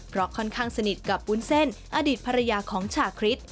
เพราะค่อนข้างสนิทกับวุ้นเส้นอดีตภรรยาของชาคริส